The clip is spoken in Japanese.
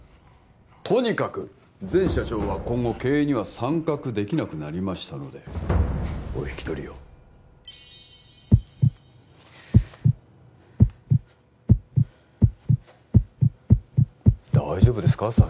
とにかく前社長は今後経営には参画できなくなりましたのでお引き取りを大丈夫ですか？